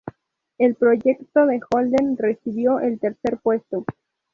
El proyecto de Holden recibió el tercer puesto.